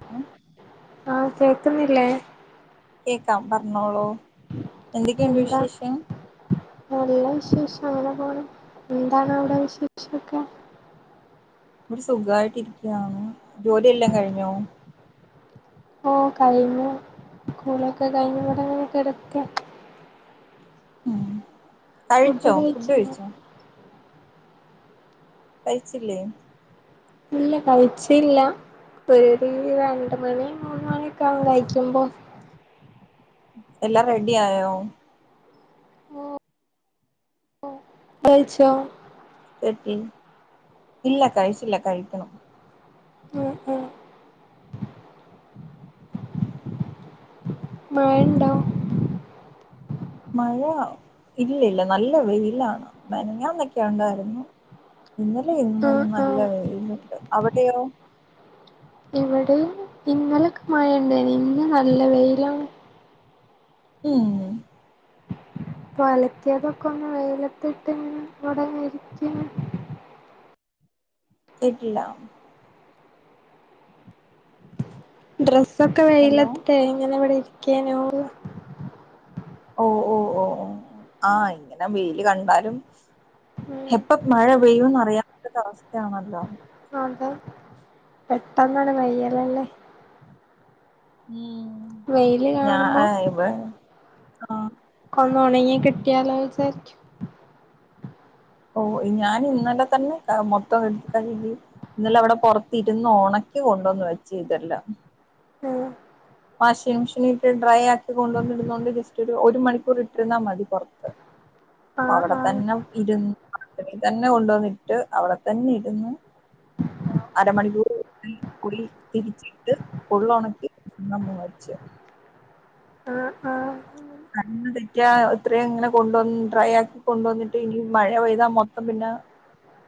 [unintelligible] ആഹ് കേക്ക്ന്നില്ലേ? കേക്കാം പറഞ്ഞോളൂ. എന്തൊക്കെയുണ്ട് എന്താ വിശേഷം? നല്ല വിശേഷം അങ്ങനെ പോണ്. എന്താണ് അവിടെ വിശേഷൊക്കെ? ഇവിടെ സുഖമായിട്ടിരിക്കയാണ്. ജോലിയെല്ലാം കഴിഞ്ഞോ? ഓഹ് കഴിഞ്ഞു. കൂളിഒക്കെ കഴിഞ്ഞ് ഇവിടെങ്ങനെ കിടക്കാ. ഉും കഴിച്ചോ? ഫുഡ് കഴിച്ചോ? കഴിച്ചില്ലേ? ഇല്ല കഴിച്ചില്ല. പ്പടി ഒരു രണ്ട് മണി മൂന്ന് മണിയൊക്കെ ആകും കഴിക്കുമ്പോ. എല്ലാം റെഡി ആയോ? ഓഹ് കഴിച്ചോ? എത്തി ഇല്ല കഴിച്ചില്ല കഴിക്കണം. ഉും ഉും മഴയുണ്ടോ? മഴ ഇല്ലല്ല നല്ല വെയിലാണ്. മെനഞ്ഞാന്നൊക്കെ ഉണ്ടായിരുന്നു. ഇവിടെ എന്നും ആഹ് നല്ല ആഹ് വെയിലുണ്ട് അവിടെയോ? ഇവിടെയും ഇന്നലൊക്കെ മഴ ഉണ്ടായിന്നു. ഇന്ന് നല്ല വെയിലാണ്. ഉും അലക്കിയതൊക്കെ ഒന്ന് വെയിലത്തിട്ട്ങ്ങനെ ഇവിടങ്ങനെഇരിക്കയ്ന്നു. [unintelligible] ഡ്രസ്സൊക്കെ ഹലോ വെയിലെത്തിട്ടേ ഇങ്ങനെ ഇവിടെ ഇരിക്കെനു ഓ ഓ ഓ ഓ ആഹ് ഇങ്ങനെ വെയില് കണ്ടാലും. ഉം എപ്പ മഴ പെയ്യും എന്ന് അറിയാൻ പറ്റാത്ത അവസ്ഥയാണല്ലോ. അതെ പെട്ടെന്നാണ് പെയ്യല്ലല്ലേ ഉും വെയില് ഞാൻ കാണുമ്പോ ആഹ് ഇവ ഒന്ന് ഉണങ്ങി കിട്ടിയാലോ വിചാരിക്കും ഓഹ ഞാൻ ഇന്നലെ തന്നെ മൊത്തം എ [unintelligible] ഇന്നല അവിടെ പൊറത്തിരുന്ന് ഒണക്കി കൊണ്ടുവന്ന് വെച്ച് ഇതെല്ലാം ഉം വാഷിംഗ് മെഷീൻ ഇട്ട് ഡ്രൈ ആക്കി കൊണ്ടുവന്നിടുന്നോണ്ട് ജസ്റ്റ് ഒരു മണിക്കൂർ ഇട്ടിരുന്നാൽ മതി പൊറ [inaudible] അപ്പ ആഹ് അവിടെ ആഹ് തന്നെ ഇരുന്ന് അവിട തന്നെ കൊണ്ടുവന്നിട്ട് അവിടെ തന്നെ ഇരുന്ന് അരമണിക്കൂർ കൂടി തിരിച്ചിട്ട് ഫുള്ള് ഒണക്കി [unintelligible] വരിച്ച ആഹ് ആഹ് കണ്ണ് തെറ്റിയാ ഇത്രയും ഇങ്ങനെ കൊണ്ടുവന്ന് ഡ്രൈ ആക്കി കൊണ്ട് വന്നിട്ട് ഇനി മഴ പെയ്താ മൊത്തം പിന്നെ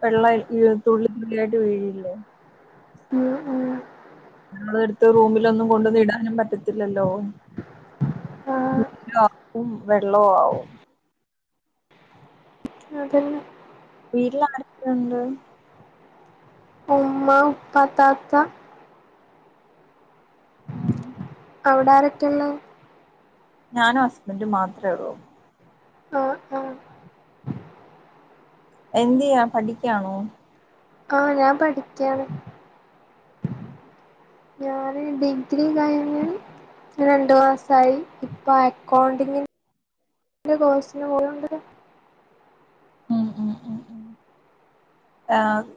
വെള്ളയി തുള്ളി തുള്ളിയായിട്ട് വീഴില്ലേ ഉം ഉം അതെടുത്ത് റൂമിലൊന്നും കൊണ്ടന്ന് ഇടാനും പറ്റത്തില്ലല്ലോ ആഹ് [unintelligible] ആവും വെള്ളവും ആവും അതെന്നേ വീട്ടിലാരൊക്കെ ഉണ്ട്? ഉമ്മ ഉപ്പ താത്ത ഉം അവിടെ ആരൊക്കെള്ളേ ഞാനും ഹസ്ബൻഡും മാത്രള്ളൂ ആഹ് ആഹ് എന്ത്‌ ചെയ്യാ പഠിക്കാണോ? ആഹ ഞാൻ പഠിക്കയാണ് ഉം ഞാന് ഡിഗ്രി കഴി രണ്ടു മാസായി ഇപ്പൊ അക്കൗണ്ടിങ്ങിന്റെ കോഴ്സിന് പോവണ്ട് ഉം ഉം ഉം ഉം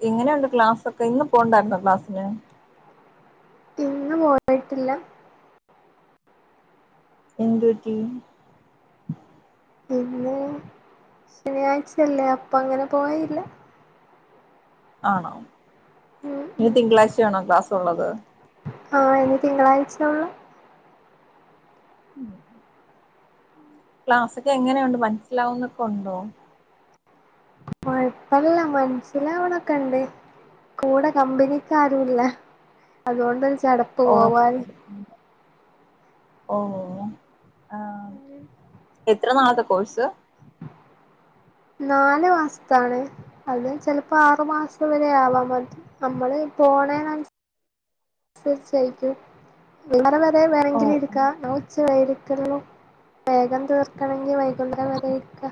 എങ്ങനെയുണ്ട് ക്ലാസൊക്കെ ഇന്ന് പോണ്ടായിരുന്നോ ക്ലാസ്സിന്, ഇന്ന് പോയിട്ടില്ല എന്ത്പറ്റി ഇന്ന് ശനിയാഴ്ചയല്ലേ അപ്പം അങ്ങനെ പോയില്ല, ആണോ ഉം ഇനി ഉം തിങ്കളാഴ്ചയാണോ ക്ലാസ് ഉള്ളത്. ആഹ ഇനി തിങ്കളാഴ്ചയൊള്ളു ഉം ക്ലാസ്സൊക്കെ എങ്ങനെയുണ്ട് മനസ്സിലാവുന്നൊക്കെ ഉണ്ടോ? അല്ല മനസ്സിലാവണൊക്കെ ഇണ്ട് കൂടെ കമ്പനിക്കാരൂല്ല അതുകൊണ്ട് ഒരു ചടപ്പ് പോവാന് ഓഹ ആഹ എത്ര നാളത്തെ കോഴ്സ്? നാല് മാസത്താണ് അത് ചിലപ്പോ ആറു മാസം വരെ ആവാ മറ്റും നമ്മള് പോണേനനുസരി ച്ചയിട്ടും വൈന്നാരം വരെ ഓ വേണമെങ്കിൽ ഓ. ഇരിക്ക ന ഉച്ച വരെ ഇരികൊള്ളു വേഗം തീർക്കണെങ്കിൽ വൈകുന്നേരം വരെ ഇരിക്ക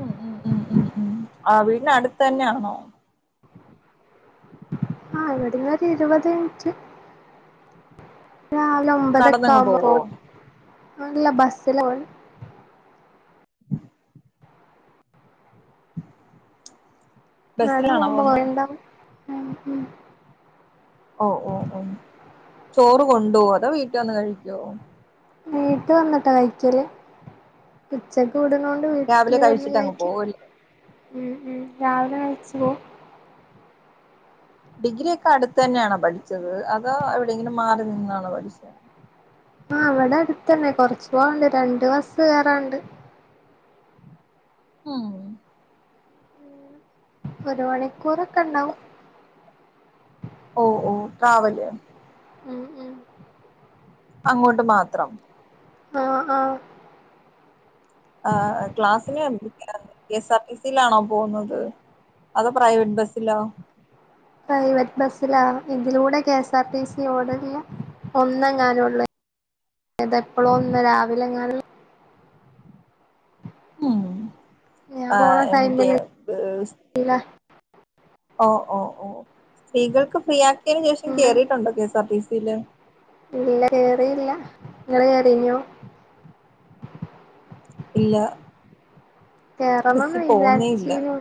ഉം ഉം ഉം ഉം ഉം ആഹ വീടിനടുത്ത് തന്നെയാണോ? ആഹ് ഇവിടെന്ന് ഒരു ഇരുപത് മിനിറ്റ് രാവിലെ ഒമ്പതൊക്കെ നടന്നങ്ങ് ആവുമ്പോ പോവോ പോവും ബസ്സില് പോവല് നടന്ന് ബസ്സിലാണോ പോകുമ്പോ പോവുന്നെ കൊറേ [unintelligible] ഉം ഉം ഓഹ ഓഹ ഓഹ ചോറ് കൊണ്ടുപോവോ അതോ വീട്ടിൽ വന്ന് കഴിക്കോ? വീട്ട് വന്നിട്ടാ കൈക്കല്? ഉച്ചക്ക് വിടുന്നോ രാവിലെ വീട്ടില് വന്ന് കഴിച്ചിട്ട് അങ്ങ് കഴിക്കും? പോവല്ലേ ഉം ഉം. രാവിലെ കഴിച്ചു പോകും. ഡിഗ്രിയൊക്കെ അടുത്ത് തന്നെയാണോ പഠിച്ചത് അതോ എവിടെയെങ്കിലും മാറി നിന്നാണോ പഠിച്ചത്? ആഹ് ഇവിടെ അടുത്തന്നെ. കൊറച്ചു പോവണ്ട്. രണ്ട് ബസ്സ് കേറാനുണ്ട്. ഉം. ഒരു മണിക്കൂറൊക്കെ ഉണ്ടാവും. ഓഹ് ഓഹ് ട്രാവല്. ഉം ഉം. അങ്ങോട്ട് മാത്രം? ആഹ് ആഹ്. ആഹ് ക്ലാസ്സിന് [inaudible] കെ എസ് ആർ ടി സിയിലാണോ പോകുന്നത്? അതോ പ്രൈവറ്റ് ബസ്സിലോ? പ്രൈവറ്റ് ബസ്സിലാ. ഇതിലൂടെ K S R T C ഓടണില്ല. ഒന്നെങ്ങാനു ഒളളു. ഏത് എപ്പളോ ഒന്ന് രാവിലെ എങ്ങാണ്ട് ഉം ആഹ് എമിറ്റ് ഈഹ് പില്ല ഓഹ് ഓഹ് ഓഹ്. സ്ത്രീകൾക്ക് ഫ്രീ ആക്കിയതിനു ശേഷം ഉം കേറിയിട്ടുണ്ടോ K S R T C യില്? ഇല്ല കേറിയില്ല. നിങ്ങൾ കേറീഞ്ഞോ? ഇല്ല. കേറണംന്ന് ബസ്സിൽ പോകുന്നേ ഇല്ല വിചാരിച്ചീനു.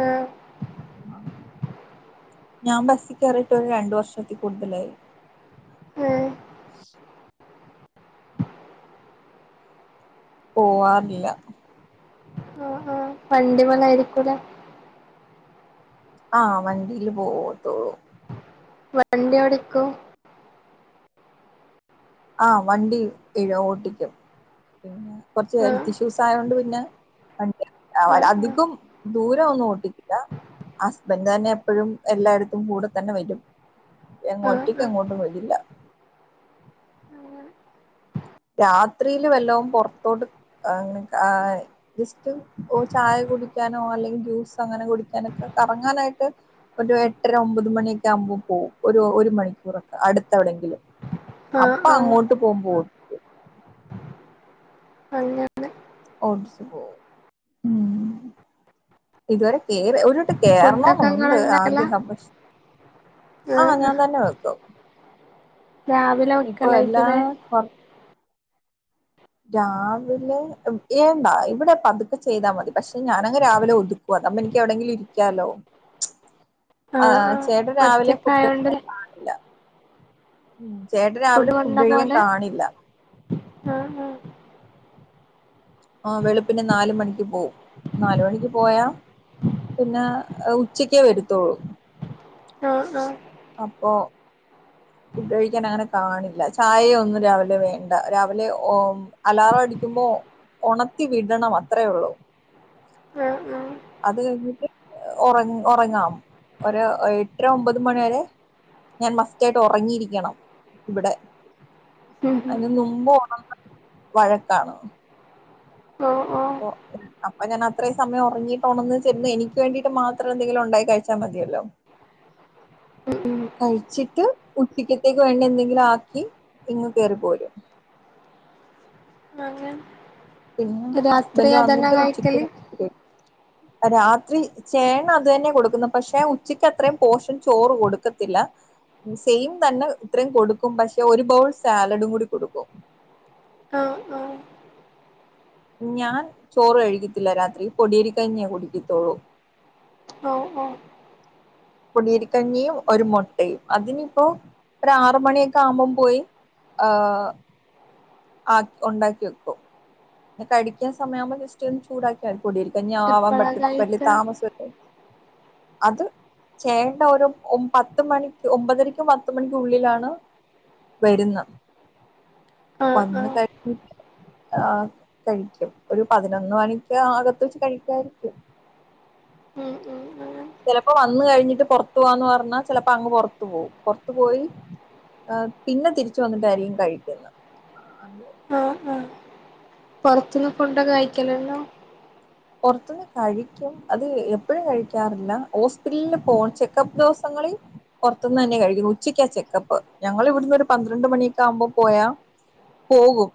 ആഹ്. ആഹ്. ഞാൻ ബസ്സി കയറിട്ട് ഒരു രണ്ട് വർഷത്തിൽ കൂടുതലായി. ഏഹ്? പോവാറില്ല. ആഹ് ആഹ്. വണ്ടിമേല് ആയിരിക്കൂലേ? ആഹ് വണ്ടിയില് പോവത്തുള്ളൂ. വണ്ടി ഓടിക്കും? ആഹ് വണ്ടി എഴ ഓട്ടിക്കും. പിന്നെ കുറച്ച് ആഹ് ഹെൽത്ത് ഇഷ്യൂസ് ആയ കൊണ്ട് പിന്നെ വണ്ടി, ആഹ് അധികം ദൂരം ഒന്നും ഓട്ടിക്കില്ല. ഹസ്ബന്റ് തന്നെ എപ്പോഴും എല്ലായിടത്തും കൂടെ തന്നെ വരും. ആഹ് ഒറ്റയ്ക്ക് ആഹ് എങ്ങോട്ടും വിടില്ല. രാത്രിയില് വല്ലോം പുറത്തോട്ട്, ഈഹ് ജസ്റ്റ് ഒ ചായ കുടിക്കാനോ അല്ലെങ്കിൽ ജ്യൂസോ അങ്ങനെ കുടിക്കാനൊ ഒക്കെ കറങ്ങാനായിട്ട് ഒരു എട്ടര ഒമ്പത് മണിയൊക്കെ ആവുമ്പോൾ പോകും. ഒരു ഒരു മണിക്കൂറൊക്കെ അടുത്ത് എവിടെയെങ്കിലും. ആഹ് അപ്പോ ആഹ് ആഹ് അങ്ങോട്ട് പോകുമ്പോ പോവും. അങ്ങനെ ഓടിച്ച് പോവും. ഉം. ഇതുവരെ കേറി ഒരു വട്ട ഫുഡൊക്കെ കയറണമെന്നുണ്ട് ഇങ്ങള്ണ്ടാക്കലാ ആഗ്രഹം പക്ഷെ. ആഹ് ഞാൻ തന്നെ വെക്കും. രാവിലെ ഇപ്പൊ വെക്കലായിക്കു എല്ലാ അല്ലേ? കൊർ രാവിലെ, വേണ്ടാ. ഇവിടെ പതുക്കെ ചെയ്താൽ മതി. പക്ഷെ ഞാനങ്ങ് രാവിലെ ഒതുക് ക്കു. അതാവുമ്പോ എനിക്ക് എവിടെയെങ്കിലും ഇരിക്കാലോ. [inaudible] ആഹ് ചേട്ടൻ രാവിലെ ഫുഡ്ഡൊന്നും [inaudible] കാറില്ല. ഉം. ചേട്ടൻ ഫുഡ് രാവിലെ ഫുഡ്ഡ് കഴിയാൻ കൊണ്ടപോവലാ കാണില്ല. ആഹ് ആഹ്. ഓ വെളുപ്പിന് നാല് മണിക്ക് പോവും നാല് മണിക്ക് പോയാ പിന്നേ അ ഉച്ചയ്ക്കേ വരുത്തോള്ളൂ. ആഹ് ആഹ് അപ്പോ. ഫുഡ് കഴിക്കാൻ അങ്ങനെ കാണില്ല. ചായ ഒന്നും രാവിലെ വേണ്ട രാവിലെ ഓ- അലാറം അടിക്കുമ്പോ ഒണർത്തി വിടണം അത്രേ ഉള്ളൂ. ഉം ഉം. അത് കഴിഞ്ഞിട്ട് ഉറ ഉറങ്ങാം ഒരു എട്ടര ഒമ്പത് മണി വരെ- ഞാൻ മസ്റ്റ് ആയിട്ട് ഉറങ്ങിയിരിക്കണം. ഇവിടെ ഉം ഉം അതിന് നുമ്പ് ഒണർന്നാൽ വഴക്കാണ് ആഹ് ആ ഓ അപ്പൊ ഞാൻ അത്രേയും സമയം ഉറങ്ങീട്ടൊണർന്ന് ചെന്ന് എനിക്ക് വേണ്ടിയിട്ട് മാത്രം എന്തെങ്കിലും ഉണ്ടാക്കി കഴിച്ചാൽ മതിയല്ലോ. ഉം കഴിച്ചിട്ട് ഉച്ചക്കത്തേക്ക് വേണ്ടി എന്തെങ്കിലും ആക്കി ഇങ്ങ് കേറി പോരും മകൻ പിന്നെ ഹസ്ബന്റ് വന്നിട്ട് ഉച്ചക്ക് ഒന്നിച്ച് കഴിക്കും രാത്രി ചേട്ടൻ അതു തന്നെ കൊടുക്കുന്നെ പക്ഷെ ഉച്ചക്ക് അത്രയും പോഷൻ ചോറ് കൊടുക്കത്തില്ല. സെയിം തന്നെ ഇത്രയും കൊടുക്കും പക്ഷെ ഒരു ബൗൾ സാലഡും കൂടി കൊടുക്കും. ആ ആഹ് ഞാൻ ചോറ് കഴിക്കെത്തില്ല രാത്രി പൊടിയേരിക്കഞ്ഞിയാ കുടിക്കത്തൊള്ളൂ ഓ ഓ പൊടിയേരിക്കഞ്ഞിയും ഒരു മൊട്ടയും അതിനി ഇപ്പോ ഒരാറ് മണിയൊക്കെ ആവുമ്പം പോയി ഏ ആകി ഉണ്ടാക്കി വെക്കും കഴിക്കാൻ സമയമാവുമ്പോ ജസ്റ്റ് ഒന്ന് ചൂടാക്കിയാൽ പൊടിയേരി കഞ്ഞി ആവാൻ എപ്പഴാ പട്ട വലിയ കഴിക്ക താമസ അത് ചേട്ടന് ഒരു ഒമ്പ പത്ത് മണിക്ക് ഒമ്പതരക്കും പത്ത് മണിക്കും ഉള്ളിലാണ് വരുന്നെ ആഹ് വന്ന് ആഹ് കഴിഞ്ഞിട്ട് ആ കഴിക്കും ഒരു പതിനൊന്ന് മണിക്ക് അകത്ത് വെച്ച് കഴിക്കാനിരിക്കും ഉം ഉം ഉം ചെലപ്പോ വന്നു കഴിഞ്ഞിട്ട് പുറത്തു പോവാന്ന് പറഞ്ഞാ ചെലപ്പോ അങ്ങ് പുറത്തു പോകും പുറത്തു പോയി പിന്നെ തിരിച്ചു വന്നിട്ടായിരിക്കും കഴിക്കുന്നെ അ പുറത്തുന്ന് കൊണ്ടോ കഴിക്കലല്ലോ പുറത്തുന്ന് കഴിക്കും അത് എപ്പൊഴും കഴിക്കാറില്ല ഹോസ്പിറ്റലിൽ പോണം ചെക്കപ്പ് ദിവസങ്ങളിൽ പുറത്തുന്ന് തന്നെ കഴിക്കും ഉച്ചയ്ക്കാ ചെക്കപ്പ് ഞങ്ങൾ ഇവിടുന്ന് ഒരു പന്ത്രണ്ട് മണിയൊക്കെ ആവുമ്പോ പോയാ പോകും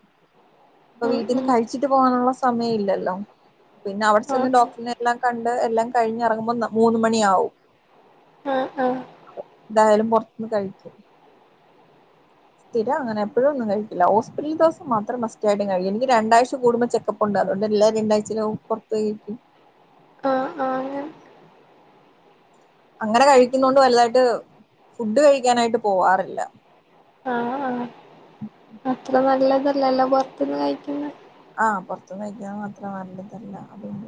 അപ്പൊ ഉം വീട്ടിന്ന് ഉം കഴിച്ചിട്ട് പോകാനുള്ള സമയം ഇല്ലല്ലോ പിന്നെ അവിടെ ചെന്ന് ആഹ് ഡോക്ടറിനെ എല്ലാം കണ്ട് എല്ലാം കഴിഞ്ഞ് ഇറങ്ങുമ്പോ മൂന്ന് മണിയാവും ആഹ ആഹ് എന്തായാലും പുറത്തിന്ന് കഴിക്കും സ്ഥിര അങ്ങനെ എപ്പൊഴുന്നും കഴിക്കില്ല ഹോസ്പിറ്റൽ ദിവസം മാത്രം മസ്റ്റ് ആയിട്ട് കഴിക്കും എനിക്ക് രണ്ടാഴ്ച കൂടുമ്പോ ചെക്കപ്പ് പ്പുണ്ട് അതൊണ്ട് എല്ലാ രണ്ടാഴ്ചയിലാവും പൊറത്ത് പോയി കഴിക്കും ആഹ ആഹ് ഞാൻ അങ്ങനെ കഴിക്കുന്നതു കൊണ്ട് വലുതായിട്ട് ഫുഡ് കഴിക്കാനായിട്ട് പോവാറില്ല. ആഹ് ആഹ് അത്ര നല്ലതല്ലല്ലോ പൊറത്ത്ന്ന് കഴിക്കുന്നെ ആഹ് പൊറത്ത്നിന്ന് കഴിക്കാൻ മാത്രം വന്നിട്ടില്ല അതുകൊണ്ട്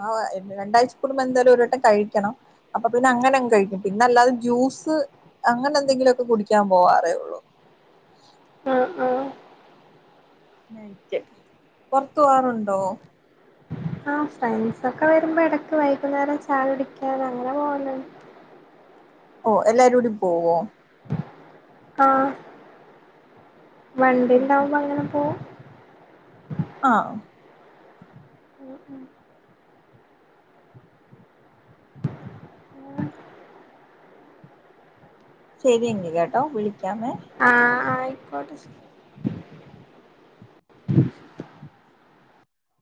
ആഹ് രണ്ടാഴ്ച കൂടുമ്പോ എന്തായാലും ഒരു വട്ടം കഴിക്കണം അപ്പൊ പിന്നെ അങ്ങനങ്ങ് കഴിക്കും പിന്നെ അല്ലാതെ ജ്യൂസ് അങ്ങനെ എന്തെങ്കിലുമൊക്കെ കുടിക്കാൻ പോവാറേള്ളൂ ആഹ് ആഹ് പുറത്തു പോകാറുണ്ടോ ആഹ് ഫ്രണ്ട്സ് ഒക്കെ വരുമ്പോൾ ഇടക്ക് വൈകുന്നേരം ചായ കുടിക്കാൻ അങ്ങനെ പോകുന്നുണ്ട് ഓ എല്ലാരൂടി പോവോ ആഹ് വണ്ടിയുണ്ടാവുമ്പോ അങ്ങനെ പോവും ആഹ് ഉം ഉം ശെരിയെങ്കി കേട്ടോ വിളിക്കാമേ ആഹ് ആയിക്കോട്ടെ